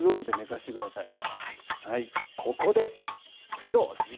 ここで「プロ直伝！」。